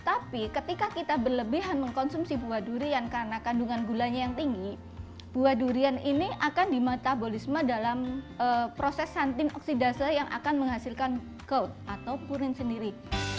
tapi ketika kita berlebihan mengkonsumsi buah durian karena kandungan gulanya yang tinggi buah durian ini akan dimetabolisme dalam proses santim oksidase yang akan menghasilkan coat atau purin sendiri